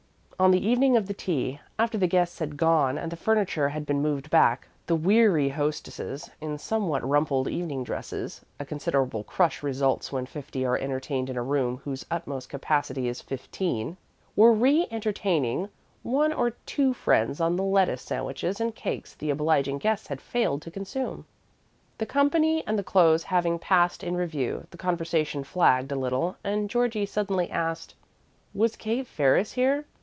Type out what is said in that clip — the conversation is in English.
On the evening of the tea, after the guests had gone and the furniture had been moved back, the weary hostesses, in somewhat rumpled evening dresses (a considerable crush results when fifty are entertained in a room whose utmost capacity is fifteen), were reëntertaining one or two friends on the lettuce sandwiches and cakes the obliging guests had failed to consume. The company and the clothes having passed in review, the conversation flagged a little, and Georgie suddenly asked: "Was Kate Ferris here?